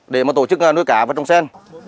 để mà tổ chức nuôi cả và trồng sen